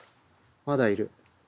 まだいる。